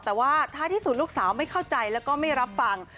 แต่ว่าท้ายที่สุดลูกสาวไม่เข้าใจแล้วก็ไม่รับฟัง